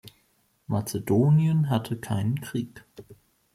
Mazedonien hatte keinen Krieg.